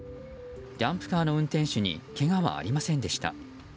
ダンプカーの運転手にけがはありませんでした。